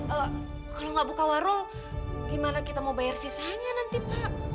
eh kalau nggak buka warung gimana kita mau bayar sisanya nanti pak